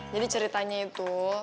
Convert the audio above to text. jadi ceritanya itu